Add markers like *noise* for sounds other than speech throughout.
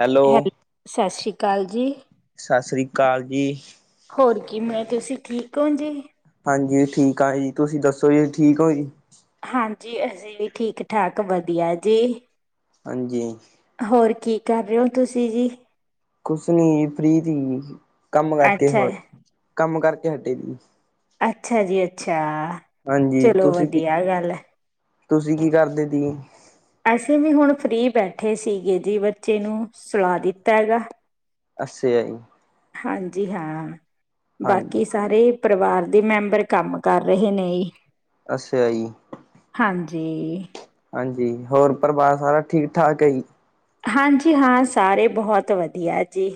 Hello *unintelligible* ਸਤਿ ਸ਼੍ਰੀ ਅਕਾਲ ਜੀ ਹੋਰ ਕਿਵੇਂ ਤੁਸੀਂ ਠੀਕ ਹੋ ਜੀ ਹਾਂਜੀ ਠੀਕ ਆ ਜੀ ਤੁਸੀਂ ਦੱਸੋ ਜੀ ਠੀਕ ਹੋ ਜੀ ਜੀ ਅਸੀਂ ਵੀ ਠੀਕ ਠਾਕ ਵਧੀਆ ਜੀ ਹਾਂਜੀ ਹੋਰ ਕੀ ਕਰ ਰਹੇ ਹੋ ਤੁਸੀਂ ਜੀ ਕੁਛ ਨੀ *unintelligible* ਕੰਮ ਕਰਕੇ ਅੱਛਾ ਹੋਰ ਕੰਮ ਕਰਕੇ ਹਟੇ ਦੀ ਅੱਛਾ ਜੀ ਅੱਛਾ ਹਾਂਜੀ ਚਲੋ ਤੁਸੀਂ ਕੀ ਵਧੀਆ ਗੱਲ ਤੁਸੀਂ ਕੀ ਕਰਦੇ ਦੀ ਅੈਸੇ ਵੀ ਹੁਣ ਫ੍ਰਰੀ ਬੈਠੇ ਸੀਗੇ ਜੀ ਬੱਚੇ ਨੂੰ ਸਲਾਹ ਦਿੱਤਾ ਹੈਗਾ ਅਛ ਹਾਂਜੀ ਹਾਂ ਬਾਕੀ ਸਾਰੇ ਪਰਿਵਾਰ ਦੇ ਮੈਂਬਰ ਕੰਮ ਕਰ ਰਹੇ ਨੇ ਅੱਛਾ ਜੀ ਜੀ ਹਾਂਜੀ ਹੋਰ ਪਰਿਵਾਰ ਸਾਰਾ ਠੀਕ ਠਾਕ ਹੈਜੀ ਹਾਂਜੀ ਹਾਂ ਸਾਰੇ ਬਹੁਤ ਵਧੀਆ ਜੀ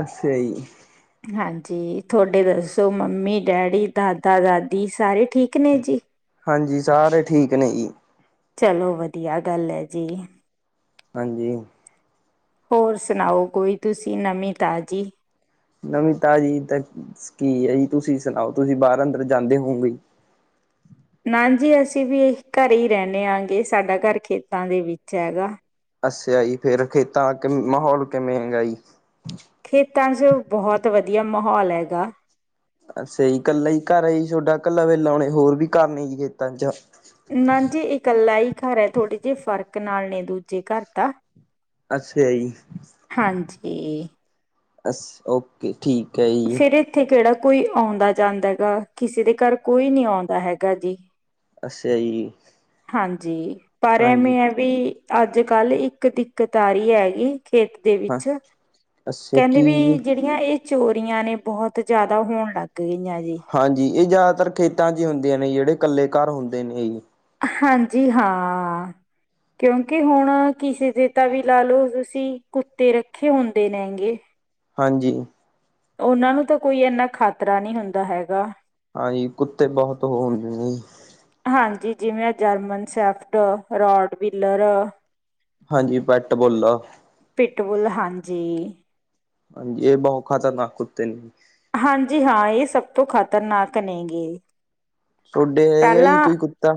ਅਛਾ ਜੀ ਹਾਂਜੀ ਤੁਹਾਡੇ ਦੱਸੋ ਮੰਮੀ ਡੈਡੀ ਦਾਦਾ ਦਾਦੀ ਸਾਰੇ ਠੀਕ ਨੇ ਜੀ ਹਾਂਜੀ ਸਾਰੇ ਠੀਕ ਨੇ ਜੀ ਚਲੋ ਵਧੀਆ ਗੱਲ ਹੈ ਜੀ ਹਾਂਜੀ ਹੋਰ ਸੁਣਾਓ ਕੋਈ ਤੁਸੀਂ ਨਵੀਂ ਤਾਜ਼ੀ ਨਵੀਂ ਤਾਜ਼ੀ ਤਾਂ ਕੀ ਹੈ ਜੀ ਤੁਸੀਂ ਸੁਣਾਓ ਤੁਸੀਂ ਬਾਹਰ ਅੰਦਰ ਜਾਂਦੇ ਹੋਗੇ ਨਾ ਜੀ ਅਸੀਂ ਵੀ ਇਹ ਘਰੇ ਹੀ ਰਹਿੰਦੇ ਆਗੇ ਸਾਡਾ ਘਰ ਖੇਤਾਂ ਦੇ ਵਿੱਚ ਹੈਗਾ ਅਛਾ ਜੀ ਫੇਰ ਖੇਤਾਂ ਮਾਹੌਲ ਕਿਵੇਂ ਹੈਗਾ ਜੀ ਖੇਤਾਂ ਚ ਬਹੁਤ ਵਧੀਆ ਵਧੀਆ ਮਾਹੌਲ ਹੈਗਾ ਅਛਾ ਜੀ ਕੱਲਾ ਹੀ ਘਰ ਆ ਜੀ ਤੌਡਾ ਕੱਲਾ ਵੇਲਾਉਣੇ ਹੋਰ ਵੀ ਘਰ ਨੇ ਜੀ ਖੇਤਾਂ ਚ ਨਾ ਜੀ ਇਕੱਲਾ ਹੀ ਘਰ ਹੈ ਥੋੜੇ ਜਿਹੇ ਫ਼ਰਕ ਨਾਲ ਨੇ ਦੂਜੇ ਘਰ ਤਾਂ ਅੱਛਾ ਜੀ ਹਾਂਜੀ। ਅਸ ਓਕੇ ਠੀਕ ਹੈ ਜੀ ਫਿਰ ਇੱਥੇ ਕਿਹੜਾ ਕੋਈ ਆਉਂਦਾ ਜਾਂਦਾ ਹੈਗਾ ਕਿਸੇ ਦੇ ਘਰ ਕੋਈ ਨੀ ਆਉਂਦਾ ਹੈਗਾ ਜੀ ਅੱਛਾ ਜੀ ਹਾਂਜੀ ਪਰੇ ਹਾਂਜੀ ਮੈਂ ਵੀ ਅੱਜ ਕੱਲ ਇੱਕ ਦਿੱਕਤ ਆਰੀ ਮੰਜਾ ਹੈਗੀ ਖੇਤ ਦੇ ਹਾਂ ਵਿੱਚ ਅੱਛਾ ਕਹਿੰਦੇ ਵੀ ਕੀ ਜਿਹੜੀਆਂ ਇਹ ਚੋਰੀਆਂ ਨੇ ਬਹੁਤ ਜ਼ਿਆਦਾ ਹੋਣ ਲੱਗ ਗਈਆਂ ਜੀ ਹਾਂਜੀ ਇਹ ਜ਼ਿਆਦਾਤਰ ਖੇਤਾਂ ਚ ਹੀ ਹੁੰਦੀਆਂ ਨੇ ਜਿਹੜੇ ਇਕੱਲੇ ਘਰ ਹੁੰਦੇ ਨੇ ਹਾਂਜੀ ਹਾਂ ਕਿਉਂਕਿ ਹੁਣ ਕਿਸੇ ਦੇ ਤਾਂ ਵੀ ਲਾ ਲਓ ਤੁਸੀਂ ਕੁੱਤੇ ਰੱਖੇ ਹੁੰਦੇ ਨੇ ਹੈਗੇ ਹਾਂਜੀ ਉਹਨਾਂ ਨੂੰ ਤਾਂ ਕੋਈ ਇੰਨਾ ਖ਼ਤਰਾ ਨਹੀਂ ਹੁੰਦਾ ਹੈਗਾ ਹਾਂਜੀ ਕੁੱਤੇ ਬਹੁਤ ਹੋ ਹੁੰਦੇ ਨੇ ਜੀ ਹਾਂਜੀ ਜਿਵੇਂ ਜਰਮਨ ਸੈਫਟ ਰੋਡ ਬੀਲਰ ਹਾਂਜੀ ਪੈਟ ਬੁੱਲ ਪਿਟਬੁਲ ਹਾਂਜੀ ਹਾਂਜੀ ਇਹ ਬਹੁ ਖਤਰਨਾਕ ਕੁੱਤੇ ਨੇ ਹਾਂਜੀ ਹਾਂ ਇਹ ਸਭ ਤੋਂ ਖ਼ਤਰਨਾਕ ਨੇ ਗੇ ਥੋਡੇ ਹੈਗੇ ਜੀ ਕੋਈ ਕੁੱਤਾ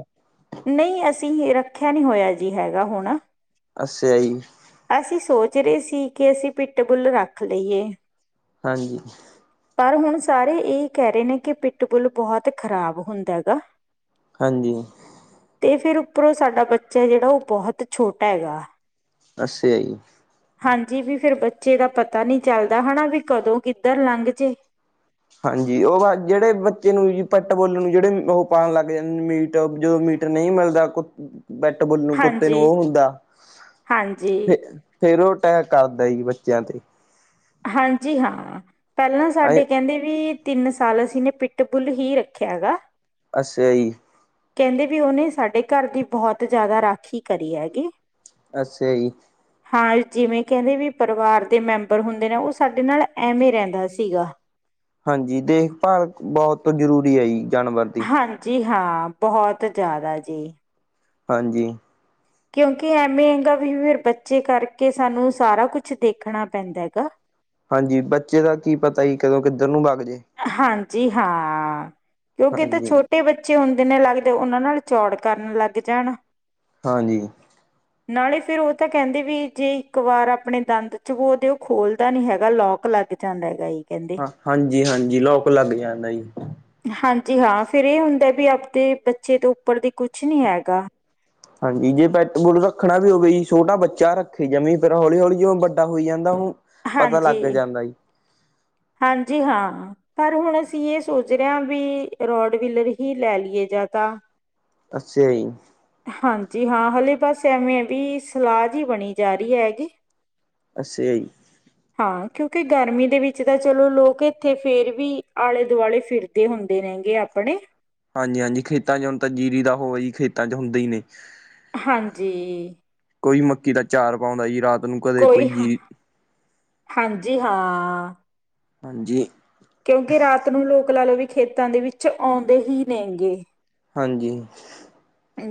ਨਹੀਂ ਰੱਖਿਆ ਨੀ ਹੋਇਆ ਜੀ ਹੈਗਾ ਹੁਣ ਅੱਛਾ ਜੀ। ਅਸੀਂ ਸੋਚ ਰਹੇ ਸੀ ਅਸੀਂ ਪਿੱਟ ਬੁੱਲ ਰੱਖ ਲਈਏ। ਹਾਂਜੀ। ਪਰ ਹੁਣ ਸਾਰੇ ਇਹ ਕਹਿ ਰਹੇ ਨੇ, ਕਿ ਪਿੱਟ ਬੁੱਲ ਬਹੁਤ ਖ਼ਰਾਬ ਹੁੰਦਾ ਗਾ। ਹਾਂਜੀ। ਤੇ ਫਿਰ ਉੱਪਰੋਂ ਸਾਡਾ ਬੱਚਾ ਜਿਹੜਾ, ਉਹ ਬਹੁਤ ਛੋਟਾ ਹੈਗਾ। ਅੱਛਾ ਜੀ। ਹਾਂਜੀ ਵੀ ਫੇਰ ਬੱਚੇ ਦਾ ਪਤਾ ਨਹੀਂ ਚੱਲਦਾ, ਹਨਾਂ ਵੀ ਕਦੋਂ ਕਿੱਧਰ ਲੰਘ ਜਾਏ। ਹਾਂਜੀ, ਉਹ ਜਿਹੜੇ ਬੱਚੇ ਨੂੰ ਪਿਟ ਬੁੱਲ ਨੂੰ, ਜਿਹੜੇ ਉਹ ਪਾਉਣ ਲੱਗ ਜਾਂਦੇ ਮੀਟ, ਜਦੋਂ ਮੀਟ ਨਹੀਂ ਮਿਲਦਾ ਪਿਟ ਬੁਲ ਨੂੰ ਕੁੱਤੇ ਨੂੰ ਹਾਂਜੀ ਉਹ ਹੁੰਦਾ, ਹਾਂਜੀ ਫਿਰ ਫੇਰ ਉਹ ਅਟੈਕ ਕਰਦਾ ਜੀ ਬੱਚਿਆਂ ਤੇ ਹਾਂਜੀ, ਹਾਂ। ਪਹਿਲਾਂ ਅ ਸਾਡੇ ਕਹਿੰਦੇ ਵੀ ਤਿੰਨ ਸਾਲ ਅਸੀਂ ਨੇ ਪਿੱਟ ਬੁੱਲ ਹੀ ਰੱਖਿਆ ਗਾ। ਅੱਛਾ ਜੀ। ਕਹਿੰਦੇ ਵੀ ਉਹਨੇ ਸਾਡੇ ਘਰ ਦੀ ਬਹੁਤ ਜ਼ਿਆਦਾ ਰਾਖੀ ਕਰੀ ਆ ਗੀ। ਅੱਛਾ ਜੀ। ਹਾਂ, ਜਿਵੇਂ ਕਹਿੰਦੇ ਵੀ ਪਰਿਵਾਰ ਦੇ ਮੈਂਬਰ ਹੁੰਦੇ ਨੇ ਉਹ ਸਾਡੇ ਨਾਲ ਐਵੇਂ ਰਹਿੰਦਾ ਸੀਗਾ। ਹਾਂਜੀ, ਦੇਖਭਾਲ ਬਹੁਤ ਜ਼ਰੂਰੀ ਆ ਜੀ ਜਾਨਵਰ ਦੀ। ਹਾਂਜੀ ਹਾਂ, ਬਹੁਤ ਜ਼ਿਆਦਾ ਜੀ। ਹਾਂਜੀ। ਕਿਉਂਕਿ ਐਵੇਂ ਹੈਗਾ ਵੀ, ਫਿਰ ਬੱਚੇ ਕਰਕੇ ਸਾਨੂੰ ਸਾਰਾ ਕੁਛ ਦੇਖਣਾ ਪੈਂਦਾ ਗਾ। ਹਾਂਜੀ, ਬੱਚੇ ਦਾ ਕੀ ਪਤਾ ਹੀ ਕਦੋਂ ਕਿੱਧਰ ਨੂੰ ਬਗ਼ ਹਾਂਜੀ। ਜੀ ਹਾਂ। ਕਿਉਂਕਿ ਇੱਥੇ ਹਾਂਜੀ ਛੋਟੇ ਬੱਚੇ ਹੁੰ ਦਿਨੇ ਲੱਗਦੇ, ਉਹਨਾਂ ਨਾਲ ਚੌੜ ਕਰਨ ਲੱਗ ਜਾਣ। ਹਾਂਜੀ। ਨਾਲੇ ਫੇਰ ਉਹ ਤਾਂ ਕਹਿੰਦੇ ਵੀ, ਜੇ ਇੱਕ ਵਾਰ ਆਪਣੇ ਦੰਦ ਚਬੋ ਦੇ ਉਹ ਖੋਲਦਾ ਨੀ ਹੈਗਾ, ਲੋਕ ਲੱਗ ਜਾਂਦਾ ਗਾ ਜੀ ਕਹਿੰਦੇ। ਹਾਂ, ਹਾਂਜੀ ਹਾਂਜੀ। ਜੀ, ਲੋਕ ਲੱਗ ਜਾਂਦਾ ਜੀ। ਹਾਂਜੀ ਹਾਂ, ਫੇਰ ਇਹ ਹੁੰਦਾ ਵੀ ਆਪਦੇ ਬੱਚੇ ਤੋਂ ਉੱਪਰ ਦੀ ਕੁਛ ਨੀ ਹੈਗਾ। ਹਾਂਜੀ, ਜੇ ਪਿਟ ਬੁੱਲ ਰੱਖਣਾ ਵੀ ਹੋਵੇ ਛੋਟਾ ਬੱਚਾ ਰੱਖੇ, ਜਮੀ ਫੇਰ ਹੌਲੀ ਹੌਲੀ ਜੀ ਵੱਡਾ ਹੋਈ ਜਾਂਦਾ, ਉਹਨੂੰ ਪਤਾ ਲੱਗ ਹਾਂਜੀ, ਜਾਂਦਾ ਜੀ। ਹਾਂਜੀ ਹਾਂ, ਪਰ ਹੁਣ ਅਸੀਂ ਇਹ ਸੋਚ ਰਹੇ ਹਾਂ ਵੀ, ਰੋਡਵੀਲਰ ਹੀ ਲੈ ਲਈਏ ਜਾਂ ਤਾਂ ਅੱਛਾ ਜੀ। ਜੀ ਹਾਂ, ਹਲੇ ਬਸ ਐਵੇਂ ਵੀ ਸਲਾਹ ਜਿਹੀ ਬਣੀ ਜਾ ਰਹੀ ਹੈਗੀ। ਅੱਛਾ ਜੀ ਹਾਂ ਕਿਉਂਕਿ ਗਰਮੀ ਦੇ ਵਿੱਚ ਵਿੱਚ ਤਾਂ ਚਲੋ ਲੋਕ ਇੱਥੇ ਫੇਰ ਵੀ ਆਲੇ ਦੁਆਲੇ ਫਿਰਦੇ ਹੁੰਦੇ ਨੇਗੇ ਆਪਣੇ ਹਾਂਜੀ ਹਾਂਜੀ ਖੇਤਾਂ ਚ ਹੁਣ ਤਾਂ ਜੀਰੀ ਦਾ ਹੋਵੇ ਖੇਤਾਂ ਚ ਹੁੰਦਾ ਹੀ ਨੇ ਹਾਂਜੀ ਕੋਈ ਮੱਕੀ ਦਾ ਚਾਰ ਪਾਉਂਦਾ ਜੀ ਰਾਤ ਨੂੰ ਕਦੇ ਕੋਈ ਹਾਂ ਜੀਰੀ ਹਾਂਜੀ ਹਾਂ ਹਾਂ ਹਾਂਜੀ ਕਿਉਂਕਿ ਰਾਤ ਨੂੰ ਲੋਕ ਲਾ ਲਓ ਵੀ ਖੇਤਾਂ ਦੇ ਵਿੱਚ ਆਉਂਦੇ ਹੀ ਨੇਗੇ ਹਾਂਜੀ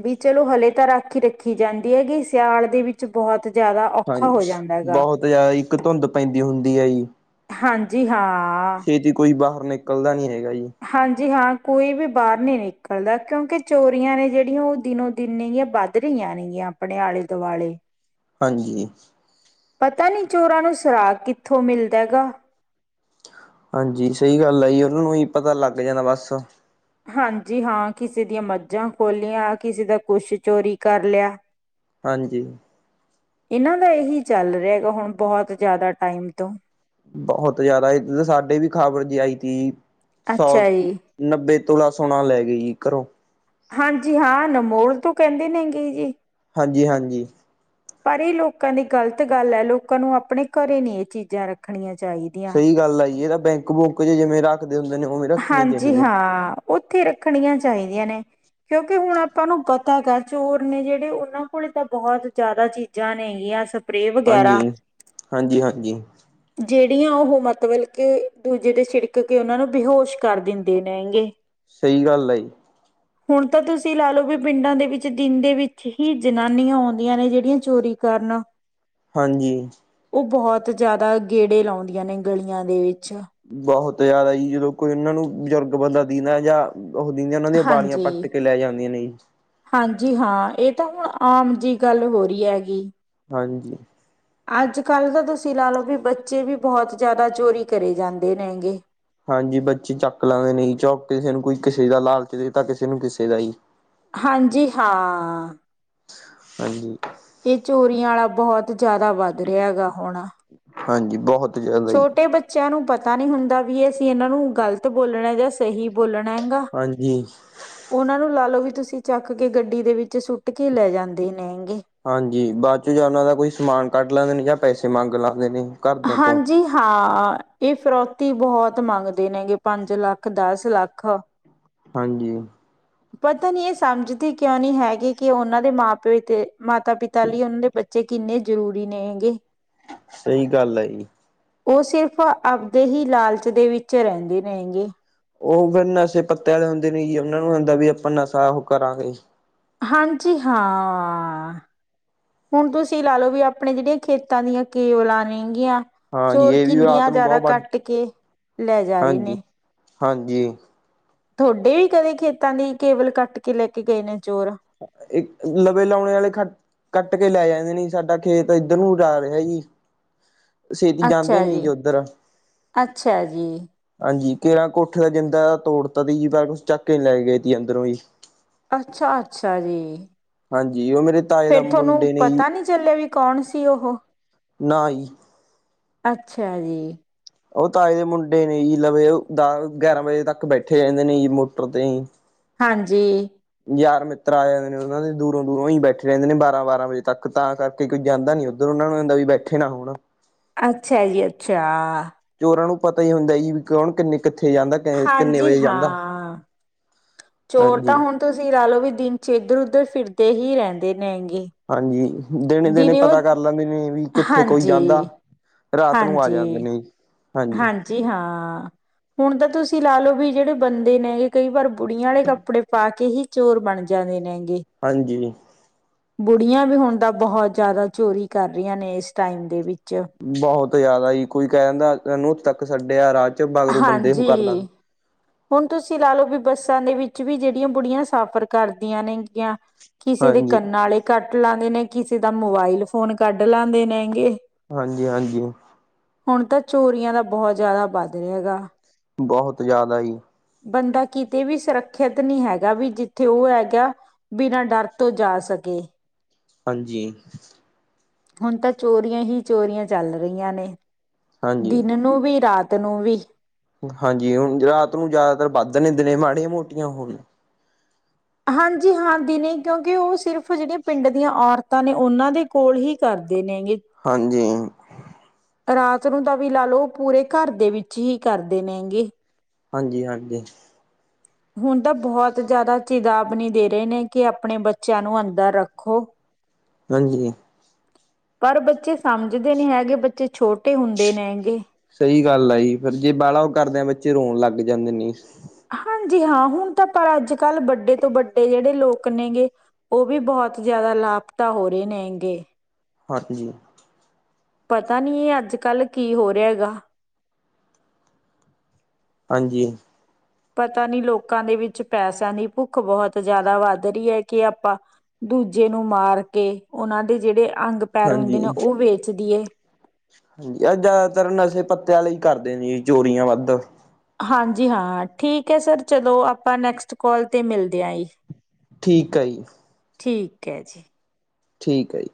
ਵੀ ਚਲੋ ਹਲੇ ਤਾਂ ਰਾਖੀ ਰੱਖੀ ਜਾਂਦੀ ਹੈਗੀ ਸਿਆਲ ਦੇ ਵਿੱਚ ਬਹੁਤ ਜ਼ਿਆਦਾ ਔਖਾ ਹਾਂਜੀ ਹੋ ਜਾਂਦਾ ਹੈਗਾ। ਬਹੁਤ ਜ਼ਿਆਦਾ ਇੱਕ ਧੁੰਦ ਪੈਂਦੀ ਹੁੰਦੀ ਹੈ ਜੀ ਹਾਂਜੀ ਛੇਤੀ ਕੋਈ ਹਾਂ ਬਾਹਰ ਨਿਕਲਦਾ ਨਹੀਂ ਹੈਗਾ ਜੀ ਹਾਂਜੀ ਹਾਂ ਕੋਈ ਵੀ ਬਾਹਰ ਨੀ ਨਿਕਲਦਾ ਕਿਉਂਕਿ ਚੋਰੀਆਂ ਨੇ ਜਿਹੜੀਆਂ ਉਹ ਦਿਨੋ ਦਿਨ ਨੇਗੀਆਂ ਵੱਧ ਰਹੀਆਂ ਨੇਗੀਆਂ ਆਪਣੇ ਆਲੇ ਦੁਆਲੇ ਹਾਂਜੀ ਪਤਾ ਨੀ ਚੋਰਾਂ ਨੂੰ ਸੁਰਾਖ ਕਿੱਥੋਂ ਮਿਲਦਾ ਗਾ ਹਾਂਜੀ ਸਹੀ ਗੱਲ ਆ ਜੀ ਉਹਨਾਂ ਨੂੰ ਹੀ ਪਤਾ ਲੱਗ ਜਾਣਾ ਬਸ ਹਾਂਜੀ ਹਾਂ ਕਿਸੇ ਦੀਆਂ ਮੱਝਾਂ ਖੋਲ੍ਹੀਆਂ ਕਿਸੇ ਦਾ ਕੁਛ ਚੋਰੀ ਕਰ ਲਿਆ ਹਾਂਜੀ ਇਹਨਾਂ ਦਾ ਇਹੀ ਚੱਲ ਰਿਹਾ ਗਾ ਹੁਣ ਬਹੁਤ ਜ਼ਿਆਦਾ ਟਾਈਮ ਤੋਂ ਬਹੁਤ ਜਿਆਦਾ ਸਾਡੇ ਵੀ ਖ਼ਬਰ ਜੀ ਆਈ ਤੀ ਸੌ ਅੱਛਾ ਜੀ ਨੱਬੇ ਤੋਲਾ ਸੋਣਾ ਲੈ ਗਏ ਜੀ ਘਰੋਂ ਹਾਂਜੀ ਹਾਂ ਅਨਮੋਲ ਤੋਂ ਕਹਿੰਦੇ ਨੇ ਗੇ ਜੀ ਹਾਂਜੀ ਹਾਂਜੀ ਪਰ ਇਹ ਲੋਕਾਂ ਦੀ ਗ਼ਲਤ ਗੱਲ ਹੈ ਲੋਕਾਂ ਨੂੰ ਆਪਣੇ ਘਰੇ ਨੀ ਇਹ ਚੀਜ਼ਾਂ ਰੱਖਣੀਆਂ ਚਾਹੀਦੀਆਂ ਸਹੀ ਗੱਲ ਆ ਜੀ ਏ ਤਾਂ ਬੈਂਕ ਬੁਕ ਜਿਵੇਂ ਰੱਖ ਹਾਂਜੀ ਹਾਂ ਉੱਥੇ ਰੱਖਣੀਆਂ ਚਾਹੀਦੀਆਂ ਨੇ ਕਿਉਂਕਿ ਹੁਣ ਆਪਾਂ ਨੂੰ ਪਤਾ ਗ ਚੋਰ ਨੇ ਜਿਹੜੇ ਉਹਨਾਂ ਕੋਲ ਤਾਂ ਬਹੁਤ ਜ਼ਿਆਦਾ ਚੀਜ਼ਾਂ ਨੇਗੀਆਂ ਸ ਹਾਂਜੀ ਹਾਂਜੀ ਹਾਂਜੀ ਜਿਹੜੀਆਂ ਉਹ ਮਤਲਬ ਕਿ ਦੂਜੇ ਦੇ ਛੜਕ ਕੇ ਉਹਨਾਂ ਨੂੰ ਬੇਹੋਸ਼ ਕਰ ਦਿੰਦੇ ਨੇਗੇ ਸਹੀ ਗੱਲ ਆ ਜ ਹੁਣ ਤਾਂ ਤੁਸੀਂ ਲਾ ਲਓ ਵੀ ਪਿੰਡਾਂ ਦੇ ਵਿੱਚ ਦਿਨ ਦੇ ਵਿੱਚ ਹੀ ਜਨਾਨੀਆਂ ਆਉਂਦੀਆਂ ਨੇ ਜਿਹੜੀਆਂ ਚੋਰੀ ਕਰਨ ਹਾਂਜੀ ਉਹ ਬਹੁਤ ਜਿਆਦਾ ਗੇੜੇ ਲਾਉਂਦੀਆਂ ਨੇ ਗਲੀਆਂ ਦੇ ਵਿੱਚ ਬਹੁਤ ਤ ਯਦ ਆਈ ਜਦੋਂ ਕੋਈ ਉਹਨਾਂ ਨੂੰ ਬਜ਼ੁਰਗ ਬੰਦਾ ਦੇਦਾ ਜਾਂ ਉਹ ਦਿੰਦੀ ਉਹਨਾਂ ਦੀਆਂ ਬਾਲੀਆਂ ਪੱਟ ਕੇ ਲੈ ਜਾਂਦੀਆਂ ਨੇ ਜੀ ਜੀ ਹਾਂ ਇਹ ਤਾਂ ਹੁਣ ਆਮ ਜਿਹੀ ਗੱਲ ਹੋ ਰਹੀ ਹੈਗੀ ਹਾਂਜੀ ਅੱਜ ਕੱਲ ਤਾਂ ਤੁਸੀਂ ਲਾ ਲਓ ਵੀ ਬੱਚੇ ਵੀ ਬਹੁਤ ਜ਼ਿਆਦਾ ਚੋਰੀ ਕਰੇ ਜਾਂਦੇ ਨੇ ਹੈਗੇ ਹਾਂਜੀ ਬੱਚੀ ਚੱਕ ਲਾਂਦੇ ਨਹੀਂ ਚ ਕਿਸੇ ਨੂੰ ਕੋਈ ਕਿਸੇ ਦਾ ਲਾਲਚ ਦਿੱਤਾ ਕਿਸੇ ਨੂੰ ਕਿਸੇ ਦਾ ਹੀ ਹਾਂਜੀ ਹਾਂ ਹਾਂਜੀ-ਹਾਂਜੀ ਇਹ ਚੋਰੀਆਂ ਵਾਲਾ ਬਹੁਤ ਜਿਆਦਾ ਵੱਧ ਰਿਹਾ ਹੈ ਗਗਾ ਹੁਣ ਹਾਂਜੀ ਬਹੁਤ ਜ਼ਿਆਦਾ ਜੀ ਛੋਟੇ ਬੱਚਿਆਂ ਨੂੰ ਪਤਾ ਪਤਾ ਨਹੀਂ ਹੁੰਦਾ ਵੀ ਅਸੀਂ ਇਹਨਾਂ ਨੂੰ ਗ਼ਲਤ ਬੋਲਣਾ ਜਾਂ ਸਹੀ ਬੋਲਣਾ ਮਹਿੰਗਾ ਹਾਂਜੀ। ਉਹਨਾਂ ਨੂੰ ਲਾ ਲਓ ਵੀ ਤੁਸੀਂ ਚੱਕ ਕੇ ਗੱਡੀ ਦੇ ਵਿੱਚ ਸੁੱਟ ਕੇ ਲੈ ਜਾਂਦੇ ਨੇ ਹਾਂਜੀ ਬਾਅਦ ਚੋਂ ਜਾਂ ਉਹਨਾਂ ਦਾ ਕੋਈ ਸਮਾਨ ਕੱਢ ਲੈਂਦੇ ਨੇ ਜਾਂ ਪੈਸੇ ਮੰਗ ਲਾਦੇ ਨੇ ਘਰਦਿਆਂ ਤੋਂ ਹਾਂਜੀ ਹਾਂ ਇਹ ਫਰੋਤੀ ਬਹੁਤ ਮੰਗਦੇ ਨੇਗੇ ਪੰਜ ਲੱਖ ਦਸ ਲੱਖ ਹਾਂਜੀ ਪਤਾ ਨਹੀ ਇਹ ਸਮਝਦੇ ਕਿਉਂ ਨਹੀ ਹੈਗੇ ਕਿ ਉਹਨਾਂ ਦੇ ਮਾਂ ਪਿਓਥ ਮਾਤਾ ਪਿਤਾ ਲਈ ਉਹਨਾਂ ਦੇ ਬ ਬੱਚੇ ਕਿੰਨੇ ਜ਼ਰੂਰੀ ਨੇ ਹੈਗੇ ਸਹੀ ਗੱਲ ਆ ਜੀ ਉਹ ਸਿਰਫ਼ ਆਪਦੇ ਹੀ ਲਾਲਚ ਦੇ ਵਿੱਚ ਰਹਿੰਦੇ ਰਣਗੇ ਉਹ ਫਿਰ ਨਸ਼ੇ ਪੱਤਤੇ ਵਾਲੇ ਹੁੰਦੇ ਨੇ ਜੀ ਉਹਨਾਂ ਨੂੰ ਹੁੰਦਾ ਵੀ ਆਪਾਂ ਨਸ਼ਾ ਉਹ ਕਰਾਂਗੇ ਹਾਂਜੀ ਹਾਂ ਹੁਣ ਤੁਸੀਂ ਲਾ ਲਓ ਵੀ ਆਪਣੇ ਜਿਹੜੀਆਂ ਖੇਤਾਂ ਦੀਆਂ ਕੇਵਲਾਂ ਨੇਗੀਆਂ ਹਾਂਜੀ ਚੋਰ ਇਹ ਵੀ ਰਾਤ ਕਿੰਨੀਆਂ ਨੂੰ ਜ਼ਿਆਦਾ ਬਹੁਤ ਵੱਡ ਕੱਟ ਕੇ ਲੈ ਜਾ ਰਹੇ ਹਾਂਜੀ ਨੇ ਹਾਂਜੀ, ਤੁਹਾਡੇ ਵੀ ਕਦੇ ਖੇਤਾਂ ਦੀ ਕੇਬਲ ਕੱਟ ਕੇ ਲੈ ਕੇ ਗਏ ਨੇ ਚੋਰ ਇੱਕ ਲਵੇ ਲਾਉਣੇ ਵਾਲੇ ਖ ਕੱਟ ਕੇ ਲੈ ਜਾ ਨ ਸਾਡਾ ਖੇਤ ਇੱਧਰ ਨੂੰ ਜਾ ਰਿਹਾ ਜੀ। ਛੇਤੀ ਜਾਂਦੇ ਨੀ ਜੀ ਉੱਧਰ ਅੱਛਾ ਜੀ ਹਾਂਜੀ ਕਿਰਾਂ ਕੋਠੇ ਦਾ ਜਿੰਦਾ ਤੋੜਤਾ ਤੀ ਜੀ ਕੁਛ ਚੱਕ ਕੇ ਨੀ ਲੈ ਕੇ ਗਏ ਤੀ ਅੰਦਰੋਂ ਹੀ ਅੱਛਾ-ਅੱਛਾ ਜੀ, ਹਾਂਜੀ ਉਹ ਮੇਰੇ ਤਾਏ ਦਾ ਫੇਰ ਤੁਹਾਨੂੰ ਮੁੰਡੇ ਨੇ ਜੀ ਪਤਾ ਨੀ ਚੱਲਿਆ ਵੀ ਕੌਣ ਸੀ ਉਹ ਨਾ ਜੀ ਅੱਛਾ ਜੀ, ਉਹ ਤਾਏ ਦੇ ਮੁੰਡੇ ਨੇ ਜੀ ਲਵੇ ਦਸ ਗਿਆਰਾਂ ਵਜੇ ਤੱਕ ਬੈਠੇ ਰਹਿੰਦੇ ਨੇ ਜੀ ਮੋਟਰ ਤੇ ਹੀ ਹਾਂਜੀ, ਯਾਰ ਮਿੱਤਰ ਆ ਜਾਂਦੇ ਨੇ ਉਹਨਾਂ ਦੇ ਦੂਰੋਂ-ਦੂਰੋਂ ਹੀ ਬੈਠੇ ਰਹਿੰਦੇ ਨੇ ਬਾਰਾਂ-ਬਾਰਾਂ ਵਜੇ ਤੱਕ ਤਾਂ ਕਰਕੇ ਕੋਈ ਜਾਂਦਾ ਨੀ ਉੱਧਰ ਉਹਨਾਂ ਨੂੰ ਕਦਾ ਵੀ ਬੈਠੇ ਨਾ ਹੋਣ। ਅੱਛਾ ਜੀ ਅੱਛਾ, ਨੂੰ ਪਤਾ ਹੀ ਹੁੰਦਾ ਈ ਜੀ ਕੌਣ ਕਿੰਨੇ, ਕਿੱਥੇ ਜਾਂਦਾ ਕਿੰਨੇ ਹਾਂਜੀ ਵਜੇ ਜਾਂਦਾ। ਹਾਂ, ਚੋਰ ਤਾਂ ਹਾਂਜੀ। ਹੁਣ ਤੁਸੀਂ ਲਾ ਲਓ ਵੀ ਦਿਨ ਚ ਇੱਧਰ ਉਧਰ ਫਿਰਦੇ, ਈ ਹੀ ਰਹਿੰਦੇ, ਨੇ ਗੇ। ਹਾਂਜੀ ਦਿਨੇ ਦਿਨੇ ਪਤਾ ਕਰ ਲੈਂਦੇ ਨੇ, ਵੀ ਕਿੱਥੇ ਕੋਈ ਜਾਂਦਾ। ਹਾਂਜੀ, ਰਾਤ ਨੂੰ ਆ ਜਾਂਦੇ ਹਾਂਜੀ, ਨੇ ਜੀ, ਹਾਂਜੀ ਹਾਂ ਹੁਣ ਤਾਂ ਤੁਸੀਂ, ਤੁਸੀਂ ਲਾ ਲਓ ਵੀ ਜਿਹੜੇ ਬੰਦੇ ਨੇਗੇ ਕਈ ਵਾਰ ਬੁੜੀਆਂ ਵਾਲੇ ਕੱਪੜੇ ਪਾ ਕੇ ਹੀ ਚੋਰ ਬਣ ਜਾਂਦੇ ਨੇਗੇ। ਹਾਂਜੀ, ਬੁੜੀਆਂ ਵੀ ਹੁਣ ਤਾਂ ਬਹੁਤ ਜ਼ਿਆਦਾ ਚੋਰੀ ਕਰ ਰਹੀਆਂ ਨੇ ਇਸ ਟਾਈਮ ਦੇ ਵਿੱਚ ਬਹੁਤ ਜ਼ਿਆਦਾ ਕੋਈ ਕਹਿ ਦਿੰਦਾ *unintelligible* ਛੱਡਿਆ ਰਾਜ ਬਾਗਰੂ ਬੰਦੇ ਉਹ ਕਰਦਾ, ਹਾਂਜੀ। ਹੁਣ ਤੁਸੀਂ ਲਾ ਲਓ ਵੀ ਬੱਸਾਂ ਦੇ ਵਿੱਚ ਵੀ ਜਿਹੜੀਆਂ ਬੁੜੀਆਂ ਸਾਫ਼ਰ ਕਰਦੀਆਂ ਨੇਗੀਆਂ। ਕਿਸੇ ਦੇ ਹਾਂਜੀ ਕੰਨਾਂ ਆਲੇ ਕਟ ਕੱਟ ਲਾਦੇ ਨੇ ਕਿਸੇ ਦਾ ਮੋਬਾਇਲ ਫੋਨ ਕੱਢ ਲਾਂਦੇ ਨੇ ਹੈਗੇ। ਹਾਂਜੀ-ਹਾਂਜੀ, ਹੁਣ ਤਾਂ ਚੋਰੀਆਂ ਦਾ ਬਹੁਤ ਜ਼ਿਆਦਾ ਵੱਧ ਰਿਹਾ ਗਾ, ਬਹੁਤ ਜ਼ਿਆਦਾ ਜੀ, ਬੰਦਾ ਕਿਤੇ ਵੀ ਸੁਰੱਖਿਅਤ ਨੀ ਹੈਗਾ ਵੀ ਜਿੱਥੇ ਉਹ ਹੈਗਾ ਬਿਨਾਂ ਡਰ ਤੋਂ ਜਾ ਸਕੇ। ਹਾਂਜੀ, ਹੁਣ ਤਾਂ ਚੋਰੀਆਂ ਹੀ ਚੋਰੀਆਂ ਚੱਲ ਰਹੀਆਂ ਨੇ। ਹਾਂਜੀ ਦਿਨ ਨੂੰ ਵੀ ਰਾਤ ਨੂੰ ਵੀ। ਹਾਂਜੀ ਹੁਣ ਰਾਤ ਨੂੰ ਜ਼ਿਆਦਾਤਰ ਵੱਧ ਨੇ ਦਿਨ ਮਾੜੀਆਂ ਮੋਟੀਆਂ ਹੋਣ ਹਾਂਜੀ ਹਾਂ ਦਿਨ ਕਿਉਂਕਿ ਉਹ ਸਿਰਫ ਜਿਹੜੀਆਂ ਪਿੰਡ ਦੀਆਂ ਔਰਤਾਂ ਨੇ ਉਹਨਾਂ ਦੇ ਕੋਲ ਹੀ ਕਰ ਹਾਂਜੀ। ਰਾਤ ਨੂੰ ਤਾਂ ਵੀ ਲਾ ਲਓ ਪੂਰੇ ਘਰ ਦੇ ਵਿੱਚ ਹੀ ਕਰਦੇ ਨੇਗੇ। ਹਾਂਜੀ ਹਾਂਜੀ। ਹੁਣ ਤਾਂ ਬਹੁਤ ਜ਼ਿਆਦਾ ਚੇਤਾਵਨੀ ਦੇ ਰਹੇ ਨੇ ਕਿ ਆਪਣੇ ਬੱਚਿਆਂ ਨੂੰ ਅੰਦਰ ਰੱਖੋ। ਹਾਂਜੀ। ਪਰ ਬੱਚੇ ਸਮਝਦੇ ਨਹੀਂ ਹੈਗੇ ਬੱਚੇ ਛੋਟੇ ਹੁੰਦੇ ਨੇਗੇ ਸਹੀ ਗੱਲ ਆ ਜੀ ਫਿਰ ਜੇ ਬਾਹਲਾ ਉਹ ਕਰਦਿਆਂ ਬੱਚੇ ਰੋਣ ਲੱਗ ਜਾਂਦੇ ਨੇ। ਹਾਂਜੀ ਹਾਂ ਹੁਣ ਤਾਂ ਪਰ ਅੱਜ ਕੱਲ੍ਹ ਵੱਡੇ ਤੋਂ ਵੱਡੇ ਜਿਹੜੇ ਲੋਕ ਨੇ ਗੇੇ। ਉਹ ਵੀ ਬਹੁਤ ਜ਼ਿਆਦਾ ਲਾਪਤਾ ਹੋ ਰਹੇ ਨੇਗੇ। ਹਾਂਜੀ। ਪਤਾ ਨਹੀਂ ਇਹ ਅੱਜ ਕੱਲ੍ਹ ਕੀ ਹੋ ਰਿਹਾ ਹੈਗਾ। ਹਾਂਜੀ। ਪਤਾ ਨਹੀਂ ਲੋਕਾਂ ਦੇ ਵਿੱਚ ਪੈਸਿਆਂ ਦੀ ਭੁੱਖ ਬਹੁਤ ਜ਼ਿਆਦਾ ਵੱਧ ਰਹੀ ਹੈ ਕਿ ਆਪਾਂ ਦੂਜੇ ਨੂੰ ਮਾਰ ਕੇ ਉਹਨਾਂ ਦੇ ਜਿਹੜੇ ਅੰਗ ਪੈਰ ਹੁੰਦੇ ਨੇ ਉਹ ਵੇਚ ਦਈਏ। ਆਹ ਜ਼ਿਆਦਾਤਰ ਨਸ਼ੇ ਪੱਤਿਆਂ ਆਲੇ ਈ ਕਰਦੇ ਨੇ ਚੋਰੀਆਂ ਵੱਧ। ਹਾਂਜੀ ਹਾਂ ਠੀਕ ਹੈ ਸਰ ਚਲੋ ਆਪਾਂ ਨੈਕਸਟ ਕਾਲ ਤੇ ਮਿਲਦੇ ਹਾਂ ਜੀ। ਠੀਕ ਆ ਜੀ। ਠੀਕ ਹੈ ਜੀ। ਠੀਕ ਹੈ ਜੀ।